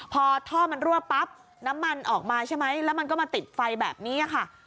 พอท่อมันรั่วปั๊บน้ำมันออกมาใช่ไหมแล้วมันก็มาติดไฟแบบนี้ค่ะ